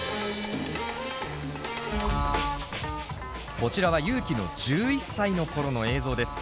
こちらはＹＵ−ＫＩの１１歳の頃の映像です。